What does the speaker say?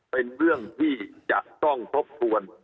เป็นเรื่องที่จะต้องทบทวน